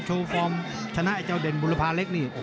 ฟอร์มชนะไอ้เจ้าเด่นบุรพาเล็กนี่